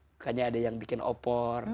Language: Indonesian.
makanya ada yang bikin opor